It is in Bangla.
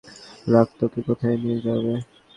তুমি কি বুঝতে পারছিস না তোর রাগ তোকে কোথায় নিয়ে যাবে?